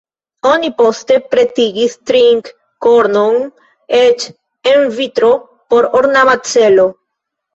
Oni poste pretigis trink-kornon eĉ el vitro por ornama celo.